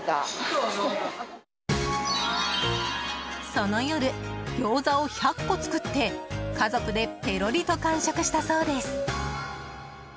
その夜ギョーザを１００個作って家族でペロリと完食したそうです。